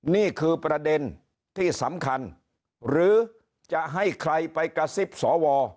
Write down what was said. นี่คือประเด็นที่สำคัญหรือจะให้ใครไปกระซิบสว